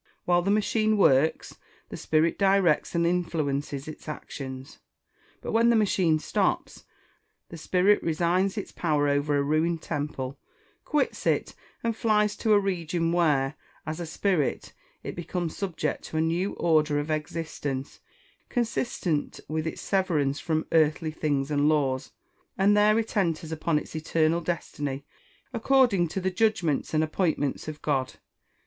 While the machine works, the spirit directs and influences its actions. But when the machine stops, the spirit resigns its power over a ruined temple, quits it, and flies to a region where, as a spirit, it becomes subject to a new order of existence consistent with its severance from earthly things and laws, and there it enters upon its eternal destiny, according to the judgments and appointments of God.